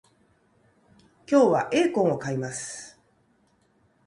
今日はエイコンを買います